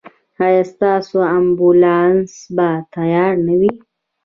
ایا ستاسو امبولانس به تیار نه وي؟